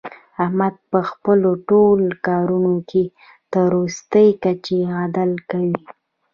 احمد په خپلو ټول کارونو کې تر ورستۍ کچې عدل کوي.